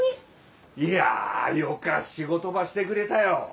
いやぁよか仕事ばしてくれたよ。